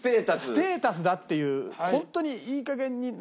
ステータスだっていうホントにいい加減な。